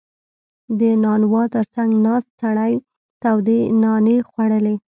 • د نانوا تر څنګ ناست سړی تودې نانې خوړلې.